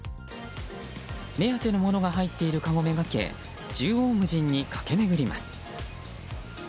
目当てのものが入っているかごめがけ縦横無尽に駆け巡ります。